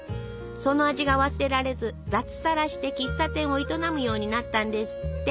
その味が忘れられず脱サラして喫茶店を営むようになったんですって。